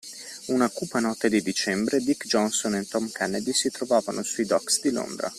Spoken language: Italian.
Una cupa notte di dicembre Dick Johnson e Tom Kennedy si trovano su i docks di Londra